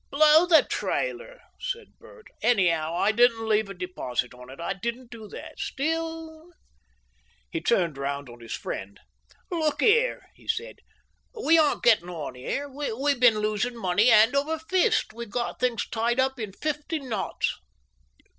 "Blow the trailer!" said Bert. "Anyhow, I didn't leave a deposit on it. I didn't do that. Still " He turned round on his friend. "Look 'ere," he said, "we aren't gettin' on here. We been losing money hand over fist. We got things tied up in fifty knots."